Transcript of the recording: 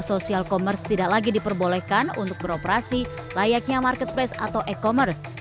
sosial commerce tidak lagi diperbolehkan untuk beroperasi layaknya marketplace atau e commerce